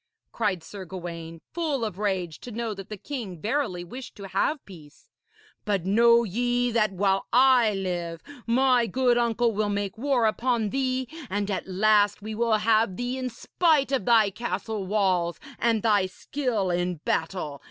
cried Sir Gawaine, full of rage to know that the king verily wished to have peace; 'but know ye that while I live, my good uncle will make war upon thee, and at last we will have thee in spite of thy castle walls and thy skill in battle.